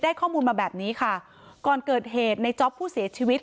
ข้อมูลมาแบบนี้ค่ะก่อนเกิดเหตุในจ๊อปผู้เสียชีวิต